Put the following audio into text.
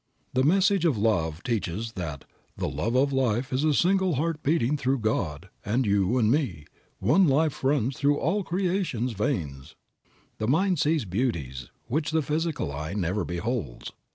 The message of love teaches that the "love of life is a single heart beating through God, and you and me." "One life runs through all creation's veins." The mind sees beauties which the physical eye never beholds.